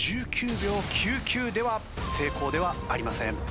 １９秒９９では成功ではありません。